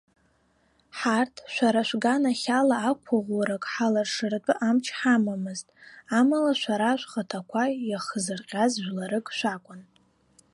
Ҳарҭ, шәара шәганахьала ақәыӷәӷәарак ҳалшаратәы амч ҳамамызт, амала шәара шәхаҭақәа иахзырҟьаз жәларык шәакәын.